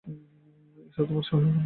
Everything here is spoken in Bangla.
ঈশ্বর তোমার সহায় হোন!